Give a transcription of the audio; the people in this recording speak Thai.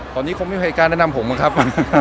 ตอนนี้เขาไม่ไหวการแนะนำผมอะครับ